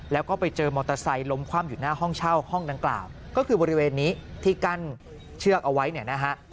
แล้วก็ไปเจอมอเตอร์ไซค์ล้มคว่ำอยู่หน้าห้องเช่าห้องดังกล่าวก็คือบริเวณนี้ที่กั้นเชือกเอาไว้เนี่ยนะฮะ